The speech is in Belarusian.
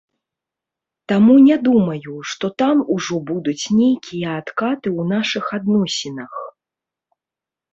Таму не думаю, што там ужо будуць нейкія адкаты ў нашых адносінах.